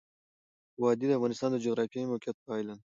وادي د افغانستان د جغرافیایي موقیعت پایله ده.